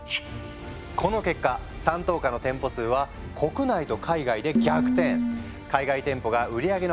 この結果山頭火の店舗数は国内と海外で逆転。